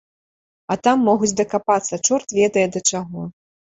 А там могуць дакапацца чорт ведае да чаго.